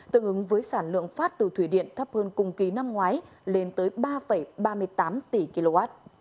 tương ứng với sản lượng phát từ thủy điện thấp hơn cùng kỳ năm ngoái lên tới ba ba mươi tám tỷ kw